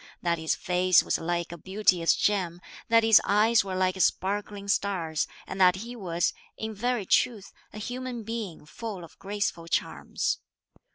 That his face was like a beauteous gem; that his eyes were like sparkling stars; and that he was, in very truth, a human being full of graceful charms.